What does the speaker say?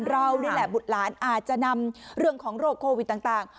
เรานี่แหละบุตรหลานอาจจะนำเรื่องของโรคโควิดต่าง